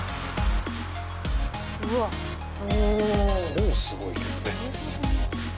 もうすごいけどね。